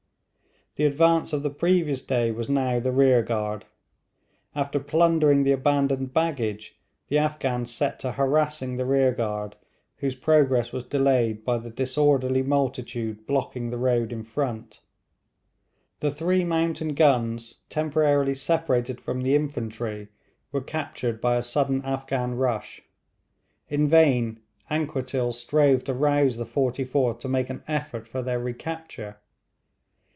The advance of the previous day was now the rear guard. After plundering the abandoned baggage, the Afghans set to harassing the rear guard, whose progress was delayed by the disorderly multitude blocking the road in front. The three mountain guns, temporarily separated from the infantry, were captured by a sudden Afghan rush. In vain Anquetil strove to rouse the 44th to make an effort for their recapture.